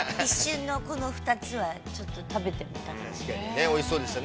◆一瞬の２つはちょっと食べてみたかった。